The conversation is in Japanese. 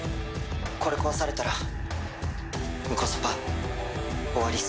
「これ壊されたらンコソパ終わりっす」